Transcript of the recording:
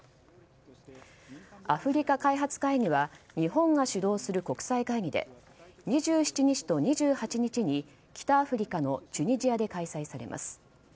アフリカ開発会議は日本が主導する国際会議で、２７日と２８日に北アフリカのチュニジアで開催されます。